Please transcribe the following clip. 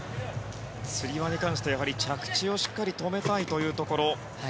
つり輪に関して着地をしっかり止めたいところ。